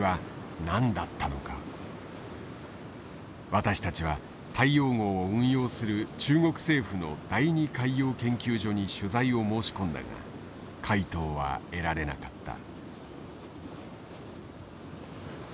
私たちは大洋号を運用する中国政府の第二海洋研究所に取材を申し込んだが回答は得られなかった。